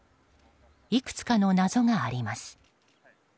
いくつかの謎があります。